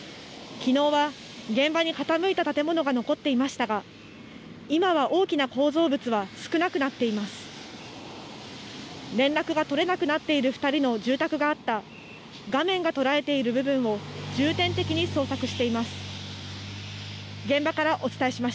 きのうは現場に傾いた建物が残っていましたが今は大きな構造物は少なくなっています。